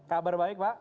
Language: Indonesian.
kabar baik pak